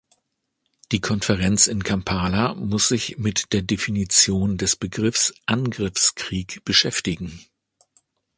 Die Konferenz in Kampala muss sich mit der Definition des Begriffs Angriffskrieg beschäftigen.